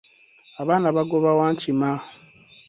Abaana bagoba wankima.